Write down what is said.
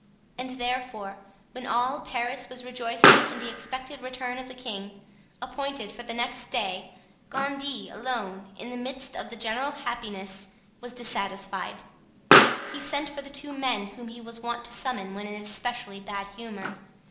And therefore, when all Paris was rejoicing in the expected return of the king, appointed for the next day, Gondy alone, in the midst of the general happiness, was dissatisfied; he sent for the two men whom he was wont to summon when in especially bad humor.